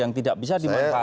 yang tidak bisa dimanfaatkan